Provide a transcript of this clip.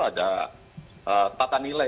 ada tata nilai